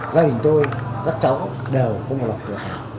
gia đình tôi các cháu đều có một lọc tự hào